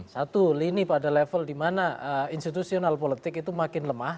satu lini pada level di mana institusional politik itu makin lemah